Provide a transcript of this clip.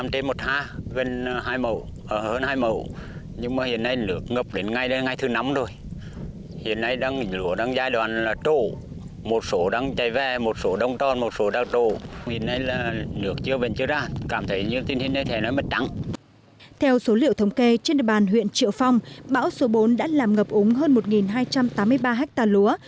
theo số liệu thống kê trên đề bàn huyện triệu phong bão số bốn đã làm ngập úng hơn một hai trăm tám mươi ba hectare lúa